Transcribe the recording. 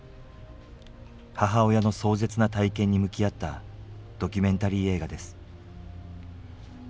母親の壮絶な体験に向き合ったドキュメンタリー映画です。